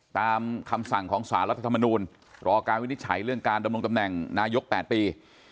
ตามคำสั่งของสารรัฐธรรมนูลรอการวินิจฉัยเรื่องการดำรงตำแหน่งนายก๘ปี